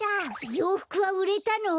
ようふくはうれたの？